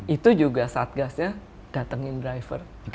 itu juga satgasnya datengin driver